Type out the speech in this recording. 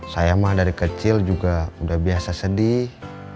saya mah dari kecil juga udah biasa sedih